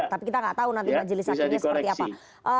tapi kita nggak tahu nanti majelis hakimnya seperti apa